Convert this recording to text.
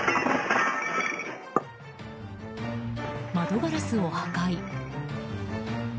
窓ガラスを破壊。